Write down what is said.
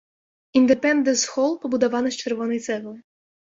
Індэпендэнс-хол пабудаваны з чырвонай цэглы.